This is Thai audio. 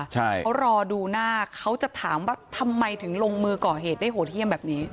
เขารอดูหน้าเขาจะถามว่าทำไมถึงลงมือก่อเหตุได้โหดเยี่ยมแบบนี้